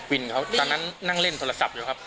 วินเขาตอนนั้นนั่งเล่นโทรศัพท์อยู่ครับ